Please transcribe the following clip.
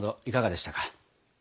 いかがでしたか？